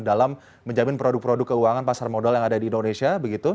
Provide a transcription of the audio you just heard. dalam menjamin produk produk keuangan pasar modal yang ada di indonesia